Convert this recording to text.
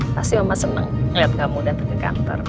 pasti mama senang ngeliat kamu dateng ke kantor